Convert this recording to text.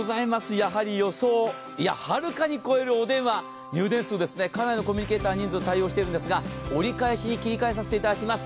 やはり予想、いやはるかに超えるお電話、かなりのコミュニケーター、人数で対応しているんですが折り返しにさせていただきます。